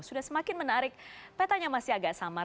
sudah semakin menarik petanya masih agak samar